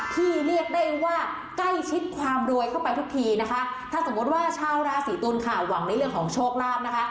เรียกได้ว่าใกล้ชิดความรวยเข้าไปทุกทีนะคะถ้าสมมติว่าชาวราศีตุลค่ะหวังในเรื่องของโชคลาภนะคะ